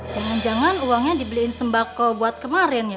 jangan jangan uangnya dibeliin sembako buat kemarin